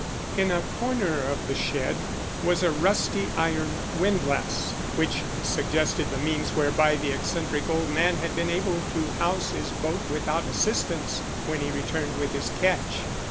In a corner of the shed was a rusty iron windlass, which suggested the means whereby the eccentric old man had been able to house his boat without assistance when he returned with his catch.